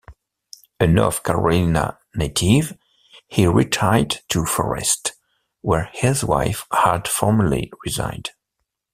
A North Carolina native, he retired to Forest, where his wife had formerly resided.